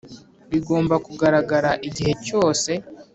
bigomba kugaragara igihe cyose